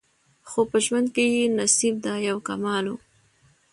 خو په ژوند کي یې نصیب دا یو کمال وو